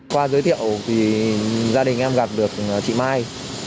qua giới thiệu thì gia đình em gặp được chị mai